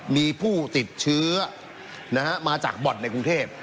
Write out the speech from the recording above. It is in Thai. มีผู้ติดเชื้อมาจากบ่อนในกรุงเทพ